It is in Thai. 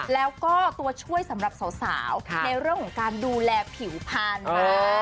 แล้วก็ตัวช่วยสำหรับสาวในเรื่องของการดูแลผิวพันธุ์